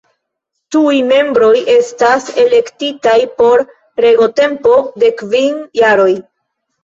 Tiuj membroj estas elektitaj por regotempo de kvin jaroj.